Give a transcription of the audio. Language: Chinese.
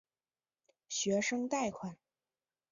学生贷款。